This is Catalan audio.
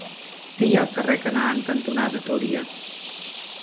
Què hi ha al carrer Canaan cantonada Túria?